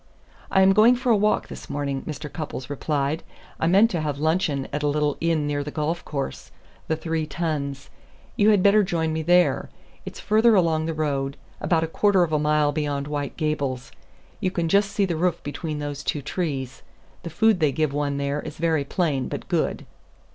"I am going for a walk this morning," Mr. Cupples replied. "I meant to have luncheon at a little inn near the golf course, the Three Tuns. You had better join me there. It's further along the road, about a quarter of a mile beyond White Gables. You can just see the roof between those two trees. The food they give one there is very plain, but good."